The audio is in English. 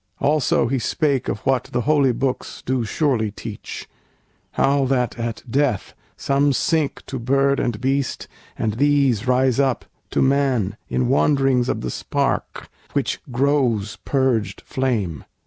Also he spake of what the holy books Do surely teach, how that at death some sink To bird and beast, and these rise up to man In wanderings of the spark which grows purged flame.